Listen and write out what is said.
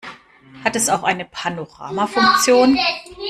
Hat es auch eine Panorama-Funktion?